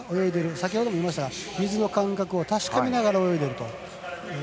先ほども言いましたが水の感覚を確かめながら泳いでいると。